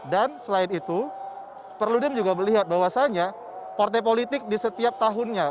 dan selain itu perludem juga melihat bahwasannya partai politik di setiap tahunnya